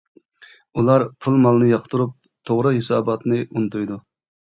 ئۇلار پۇل-مالنى ياقتۇرۇپ، توغرا ھېساباتنى ئۇنتۇيدۇ.